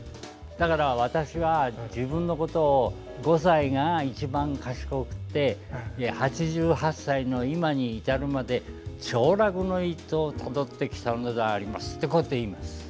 だから私は自分のことを５歳が一番賢くて８８歳の今に至るまで凋落の一途をたどってきたのでありますと言います。